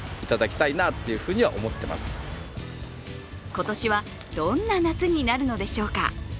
今年はどんな夏になるのでしょうか。